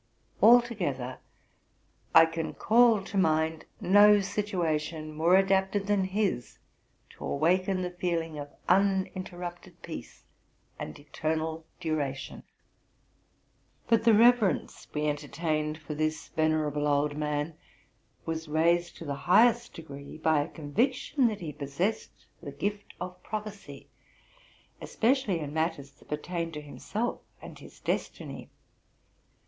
Altogether I can call to mind no situation more adapted than his to awaken the feeling of uninterrupted peace and eternal duration. 34 TRUTH AND FICTION But the reverence we entertained for this venerable oid man was raised to the highest degree by a conviction that he possessed the gift of prophecy, especially in matters that pertained to himself and his destiny.